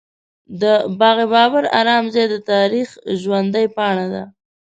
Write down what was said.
د باغ بابر ارام ځای د تاریخ ژوندۍ پاڼه ده.